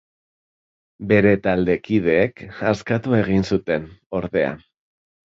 Bere taldekideek askatu egin zuten, ordea.